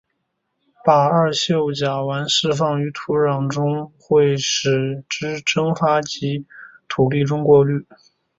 把二溴甲烷释放于土壤中会使之蒸发及在土地中过滤。